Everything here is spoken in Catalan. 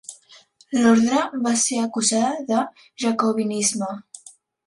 L'ordre va ser acusada de jacobinisme.